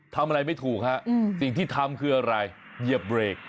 ทำอะไรไม่ถูกฮะสิ่งที่ทำคืออะไรเหยียบเบรก